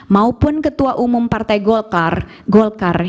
maupun ketua umum partai golkar golkar